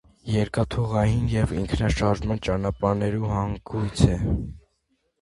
Երկաթուղային եւ ինքնաշարժային ճանապարհներու հանգոյց է։